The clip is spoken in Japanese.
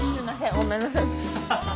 ごめんなさい。